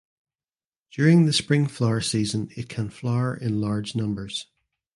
During the spring flower season it can flower in large numbers.